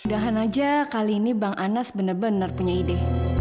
mudahan aja kali ini bang anas bener bener punya ide